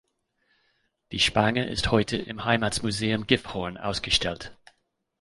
Die Spange ist heute im Heimatmuseum Gifhorn ausgestellt.